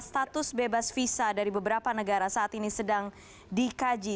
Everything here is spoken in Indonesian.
status bebas visa dari beberapa negara saat ini sedang dikaji